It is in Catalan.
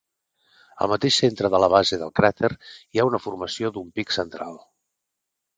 Al mateix centre de la base del cràter hi ha la formació d'un pic central.